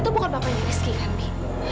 itu bukan papanya rizky kan bi